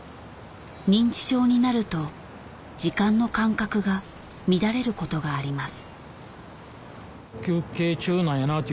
認知症になると時間の感覚が乱れることがあります